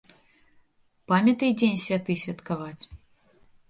Памятай дзень святы святкаваць.